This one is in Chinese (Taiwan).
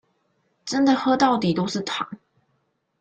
真的喝到底都是糖